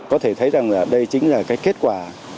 có thể thấy rằng đây chính là cái kết quả